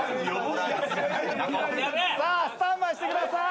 さあスタンバイしてください。